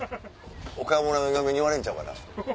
岡村の嫁に言われんちゃうかな。